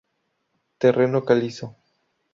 Terreno calizo.